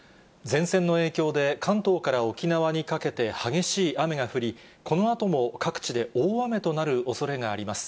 前線の影響で、関東から沖縄にかけて激しい雨が降り、このあとも各地で大雨となるおそれがあります。